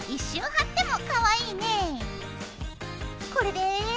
これで。